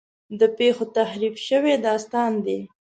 د پېښو تحریف شوی داستان دی.